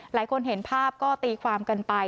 หลายคนเห็นภาพก็ตีความกันไป